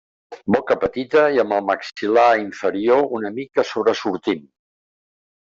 Boca petita i amb el maxil·lar inferior una mica sobresortint.